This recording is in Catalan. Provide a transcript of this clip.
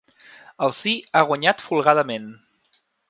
El sí ha guanyat folgadament.